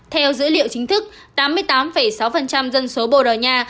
theo dữ liệu chính thức tám mươi tám sáu dân số bồ đào nha